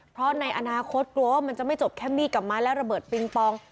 เพราะในอนาคตกลัวว่ามันจะไม่จบแค่มีดกับไม้และระเบิดปิงปอง